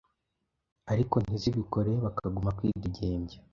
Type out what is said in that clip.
ariko ntizibikore bakagumya kwidegembya